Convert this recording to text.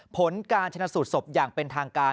ผลการชนะสูตรศพอย่างเป็นทางการ